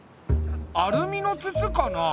アルミの筒かな？